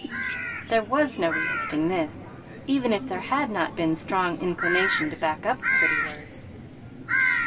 There was no resisting this, even if there had not been strong inclination to back up the pretty words.